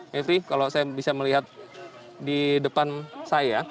mevri kalau saya bisa melihat di depan saya